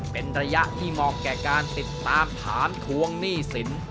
เป็นระยะที่เหมาะแก่การติดตามถามทวงหนี้สิน